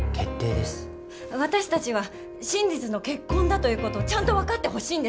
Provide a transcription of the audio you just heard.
私たちは真実の結婚だということをちゃんと分かってほしいんです。